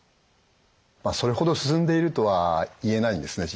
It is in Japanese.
まあそれほど進んでいるとは言えないんですね